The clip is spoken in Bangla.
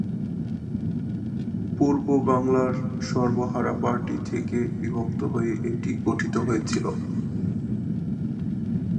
পূর্ব বাংলার সর্বহারা পার্টি থেকে বিভক্ত হয়ে এটি গঠিত হয়েছিল।